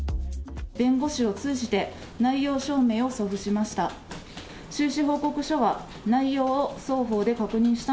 弁護士を通じて、内容証明を送付しました。